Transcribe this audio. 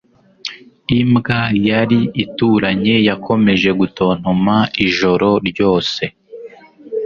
Imbwa yari ituranye yakomeje gutontoma ijoro ryose